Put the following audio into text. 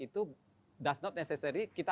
itu tidak perlu kita